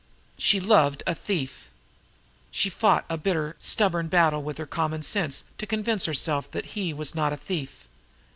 She loved a thief. She had fought a bitter, stubborn battle with her common sense to convince herself that he was not a thief.